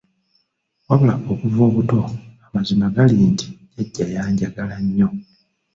Wabula okuva obuto, amazima gali nti Jjajja yanjagala nnyo.